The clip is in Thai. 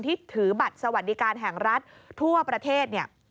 ที่ถือบัตรสวรรค์ดิการแห่งรัฐทั่วประเทศ